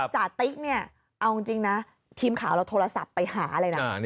จติ๊กเนี่ยเอาจริงนะทีมข่าวเราโทรศัพท์ไปหาเลยนะ